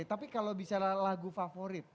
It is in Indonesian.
tapi kalau bicara lagu favorit